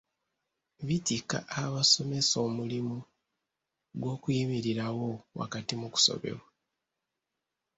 Bitikka abasomesa omulimu gw’okuyimirirawo wakati mu kusoberwa.